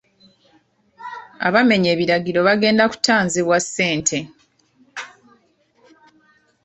Abamenya ebiragiro bagenda kutaanzibwa ssente.